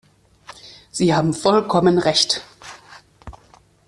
Sie haben vollkommen recht!